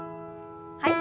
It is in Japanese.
はい。